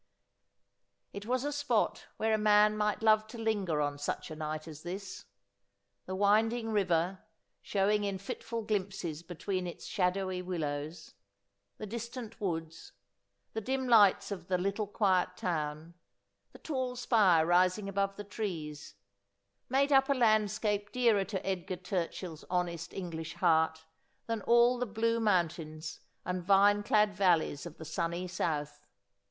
It was a spot where a man might love to linger on such a night as this. The winding river, showing in fitful glimpses between its shadowy willows ; the distant woods ; the dim lights of the little quiet town ; the tall spire rising above the trees ; made up a landscape dearer to Edgar Turchill's honest English heart than all the blue mountains and vine clad val leys of the Sunny South.